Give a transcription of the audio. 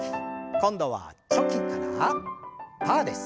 今度はチョキからパーです。